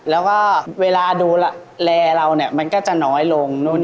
แล้วก็เวลาดูแลเราเนี่ยมันก็จะน้อยลงนู่น